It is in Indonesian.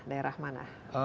boomdesk di mana